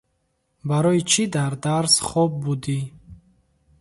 Барои чӣ дар дарс хоб будӣ?